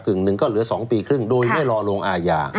หนึ่งก็เหลือ๒ปีครึ่งโดยไม่รอลงอาญา